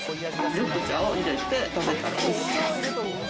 緑茶を入れて、食べたらおいしい。